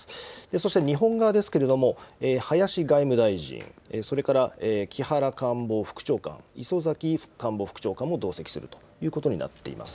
そして日本側ですけれども、林外務大臣、それから木原官房副長官、礒崎官房副長官も同席するということになっています。